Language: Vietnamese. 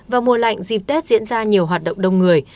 vào mùa lạnh dịp tết diễn ra nhiều hoạt động đông người